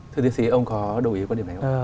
thưa tiến sĩ ông có đồng ý quan điểm này không